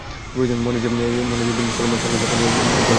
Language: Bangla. মনে হচ্ছে দিনটি চলমান শরৎ লগনের রঙের স্বর্গ মুছে দেওয়ার জন্য যথেষ্ট।